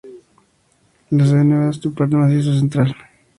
Las Cevenas son parte del Macizo Central.